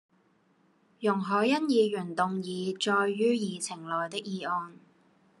容海恩議員動議載於議程內的議案